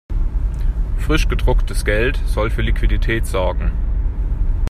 Frisch gedrucktes Geld soll für Liquidität sorgen.